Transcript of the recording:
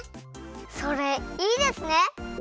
それいいですね！